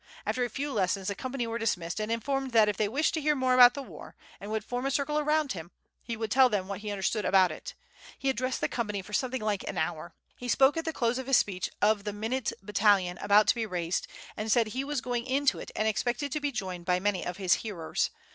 After a few lessons the company were dismissed, and informed that if they wished to hear more about the war, and would form a circle around him, he would tell them what he understood about it.... He addressed the company for something like an hour.... He spoke at the close of his speech of the Minute Battalion about to be raised, and said he was going into it and expected to be joined by many of his hearers.